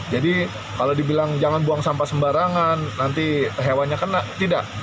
jadi kalau dibilang jangan buang sampah sembarangan nanti hewanya kena tidak